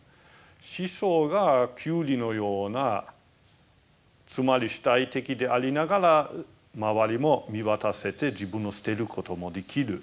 師匠がキュウリのようなつまり主体的でありながら周りも見渡せて自分を捨てることもできる。